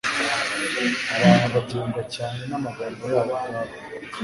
Abantu bagengwa cyane n'amagambo yabo ubwabo,